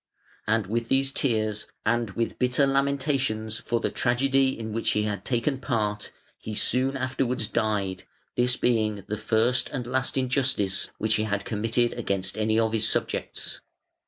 And with these tears and with bitter lamentations for the tragedy in which he had taken part, he soon afterwards died, this being the first and last injustice which he had committed against any of his subjects.